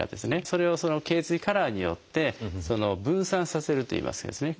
それをその頚椎カラーによって分散させるといいますかですね